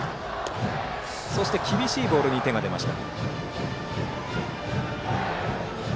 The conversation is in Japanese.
そして厳しいボールに手が出ました。